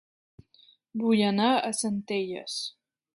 Vull anar a Centelles